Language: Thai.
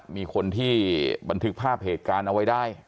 มีคนที่บันทึกภาพเหตุการณ์เอาไว้ได้